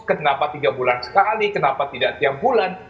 kenapa tiga bulan sekali kenapa tidak tiap bulan